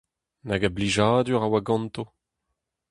Nag a blijadur a oa ganto !